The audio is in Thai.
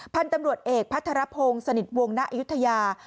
พันธุ์ตำรวจเอกพัทรพงศ์สนิทวงณอายุทยา